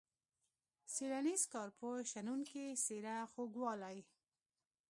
څیړنیز، کارپوه ، شنونکی ، څیره، خوږوالی.